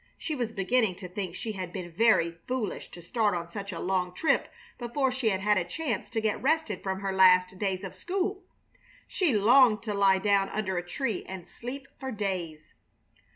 She was beginning to think she had been very foolish to start on such a long trip before she had had a chance to get rested from her last days of school. She longed to lie down under a tree and sleep for days.